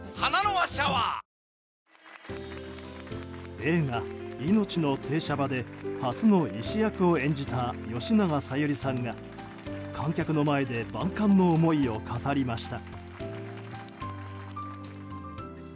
映画「いのちの停車場」で初の医師役を演じた吉永小百合さんが観客の前で万感の思いを語りました。